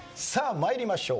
参りましょう。